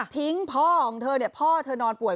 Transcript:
ทิ้งพ่อของเธอพ่อเธอนอนป่วย